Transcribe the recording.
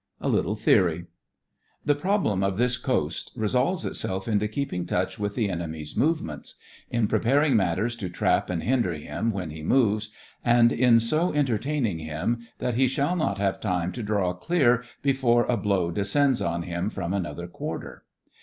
A LITTLE THEORY The problem of this coast resolves itself into keeping touch with the enemy's movements; in preparing matters to trap and hinder him when he moves, and in so entertaining him that he shall not have time to draw 88 THE FRINGES OF THE FLEET clear before a blow descends on him from another quarter.